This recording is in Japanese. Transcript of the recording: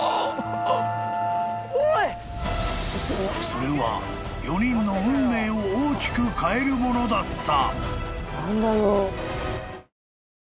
［それは４人の運命を大きく変えるものだった］